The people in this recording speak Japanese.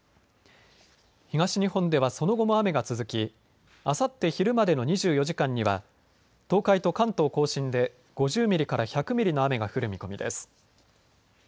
東日本ではその後も雨が続きあさって昼までの２４時間には東海と関東甲信で５０ミリから１００ミリの雨が降る見込みです。